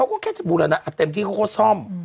วัดเต็มที่ก็จะสร้อม